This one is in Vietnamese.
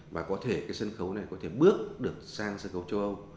và có thể cái sân khấu này có thể bước được sang sân khấu châu âu